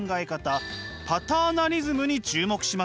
パターナリズムに注目しました。